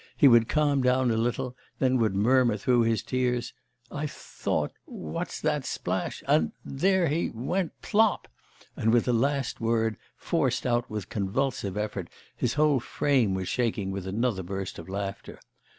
He would calm down a little, then would murmur through his tears: 'I thought what's that splash and there he went plop.' And with the last word, forced out with convulsive effort, his whole frame was shaking with another burst of laughter.